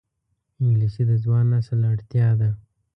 انګلیسي د ځوان نسل اړتیا ده